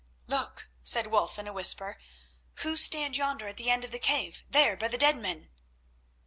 "Look," said Wulf, in a whisper. "Who stand yonder at the end of the cave—there by the dead men?"